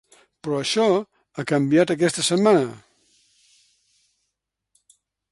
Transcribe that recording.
Però això ha canviat aquesta setmana.